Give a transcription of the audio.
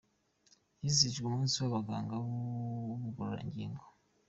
Hizijijwe umunsi w’abaganga b’ubugororangingo